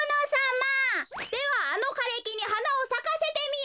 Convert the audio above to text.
「ではあのかれきにはなをさかせてみよ」。